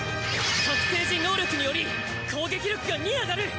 覚醒時能力により攻撃力が２上がる！